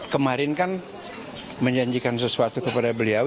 kemarin kan menjanjikan sesuatu kepada beliau